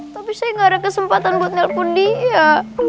tapi saya gak ada kesempatan buat nelpon dia